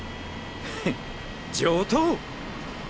フッ上等！